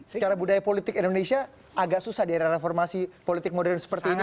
secara budaya politik indonesia agak susah di era reformasi politik modern seperti ini